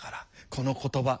この言葉。